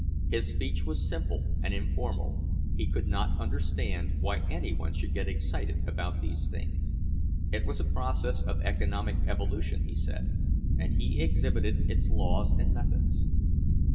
His speech was simple and informal—he could not understand why any one should get excited about these things. It was a process of economic evolution, he said, and he exhibited its laws and methods.